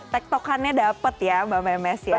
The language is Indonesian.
tek tokannya dapet ya mbak memes ya